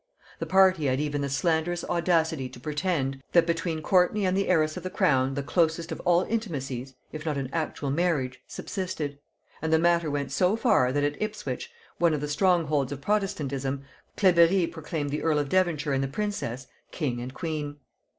The party had even the slanderous audacity to pretend, that between Courtney and the heiress of the crown the closest of all intimacies, if not an actual marriage, subsisted; and the matter went so far that at Ipswich, one of the strong holds of protestantism, Cleberry proclaimed the earl of Devonshire and the princess, king and queen.